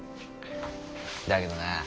だけどな